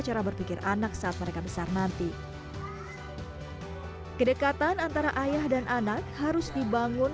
cara berpikir anak saat mereka besar nanti kedekatan antara ayah dan anak harus dibangun